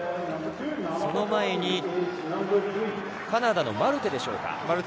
その前に、カナダのマルテでしょうか？